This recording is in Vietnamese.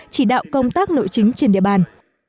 chỉ đạo công tác nội chính trên địa bàn